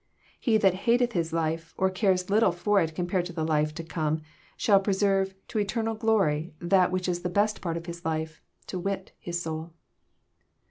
He that hateth his life, or cares little for it compared to the life to come, shall pre serve to eternal glory that which is the best part of his life, to wit, his soul."